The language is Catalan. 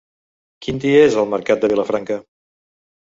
Quin dia és el mercat de Vilafranca?